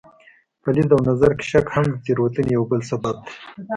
په لید او نظر کې شک هم د تېروتنې یو بل سبب دی.